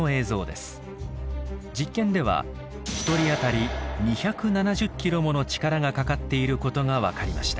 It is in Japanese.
実験では１人あたり２７０ｋｇもの力がかかっていることが分かりました。